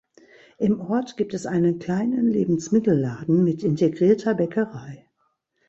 Im Ort gibt es einen kleinen Lebensmittelladen mit integrierter Bäckerei.